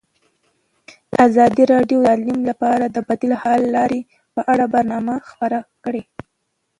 ازادي راډیو د تعلیم لپاره د بدیل حل لارې په اړه برنامه خپاره کړې.